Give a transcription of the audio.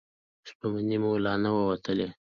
ستومني مو لا نه وه وتلې.